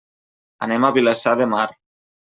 Anem a Vilassar de Mar.